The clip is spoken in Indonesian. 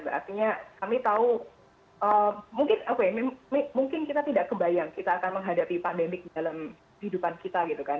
berarti kami tahu mungkin kita tidak kebayang kita akan menghadapi pandemik dalam kehidupan kita gitu kan